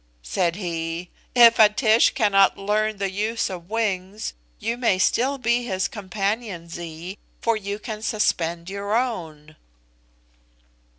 Said he, "If the Tish cannot learn the use of wings, you may still be his companion, Zee, for you can suspend your own."